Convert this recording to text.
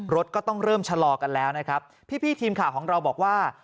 รถก็ต้องเริ่มชะลอกันแล้วนะครับพี่ทีมข่าวของเราบอกว่า